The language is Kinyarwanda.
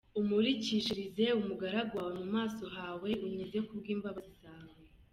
Umurikishirize umugaragu wawe mu maso hawe, Unkize ku bw’imbabazi zawe.